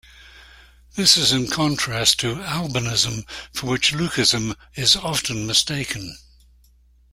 This is in contrast to albinism, for which leucism is often mistaken.